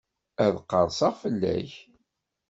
Ad qerseɣ fell-ak.